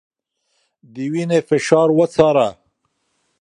د وينې فشار وڅاره